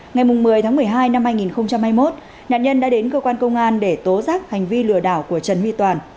ngày một mươi một mươi hai hai nghìn hai mươi một nạn nhân đã đến cơ quan công an để tố rác hành vi lừa đảo của trần huy toàn